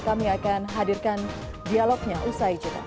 kami akan hadirkan dialognya usai jeda